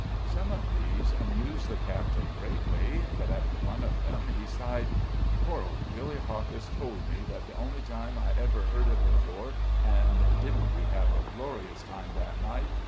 Some of these amused the captain greatly, but after one of them he sighed. "Poor old Billy Hockess told me that the only time I ever heard it before, and didn't we have a glorious time that night!